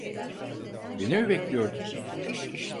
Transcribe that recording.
Beni mi bekliyordun?